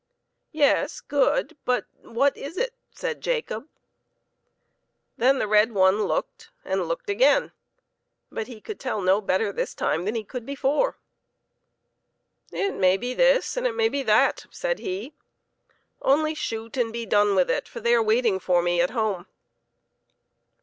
" Yes, good ! But what is it ?" said Jacob. Then the red one looked and looked again, but he could tell no better this time than he could before. " It may be this and it may be that," said he. " Only shoot and be done with it, for they are waiting for me at home."